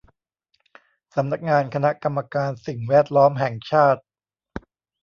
สำนักงานคณะกรรมการสิ่งแวดล้อมแห่งชาติ